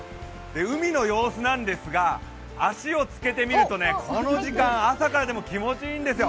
海の様子なんですが足をつけてみるとこの時間、朝からでも気持ちいいんですよ！